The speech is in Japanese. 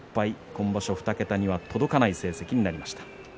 今場所２桁には届かない成績になりました。